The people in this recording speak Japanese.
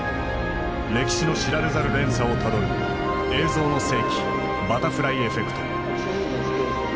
歴史の知られざる連鎖をたどる「映像の世紀バタフライエフェクト」。